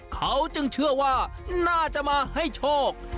เขาจึงเชื่อว่าน่าจะมาให้โชค